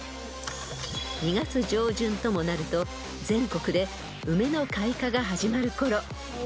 ［２月上旬ともなると全国で梅の開花が始まるころ］